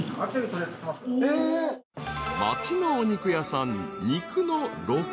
［町のお肉屋さん］